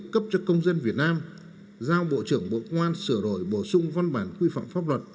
cấp cho công dân việt nam giao bộ trưởng bộ công an sửa đổi bổ sung văn bản quy phạm pháp luật